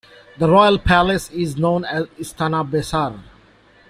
The royal palace is known as "Istana Besar".